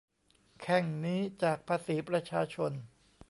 แข้งนี้จากภาษีประชาชน